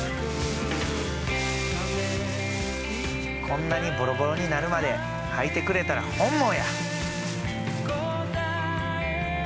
こんなにボロボロになるまで履いてくれたら本望や！